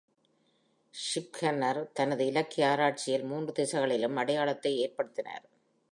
Schiefner தனது இலக்கிய ஆராய்ச்சியில் மூன்று திசைகளிலும் அடையாளத்தை ஏற்படுத்தினார்.